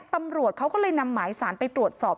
ตำรวจเขาก็เลยนำหมายสารไปตรวจสอบ